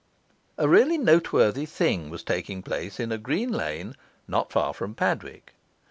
A really noteworthy thing was taking place in a green lane, not far from Padwick.